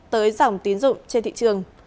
tới dòng tiến dụng trên thị trường